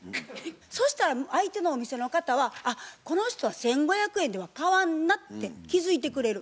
そしたら相手のお店の方は「あっこの人は１，５００円では買わんな」って気付いてくれる。